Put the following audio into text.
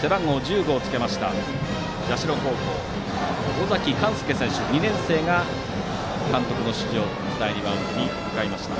背番号１５をつけた社高校の尾崎寛介選手２年生が、監督の指示を伝えにマウンドに向かいました。